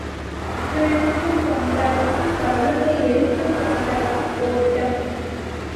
அவிழ்த்துக் கொண்டதாம் கழுதை எடுத்துக் கொண்டதாம் ஓட்டம்.